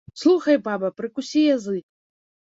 Слухай, баба, прыкусі язык.